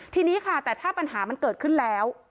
ทีนี้ค่ะแต่ถ้าปัญหามันเกิดขึ้นแล้ว